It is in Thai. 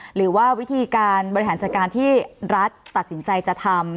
หรือว่าวิธีการบริหารจัดการที่รัฐตัดสินใจจะทำ